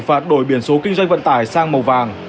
và đổi biển số kinh doanh vận tải sang màu vàng